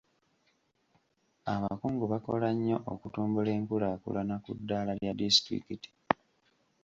Abakungu bakola nnyo okutumbula enkulaakulana ku ddaala lya disitulikiti.